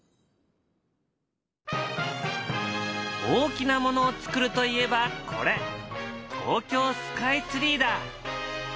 大きなものを造るといえばこれ東京スカイツリーだ。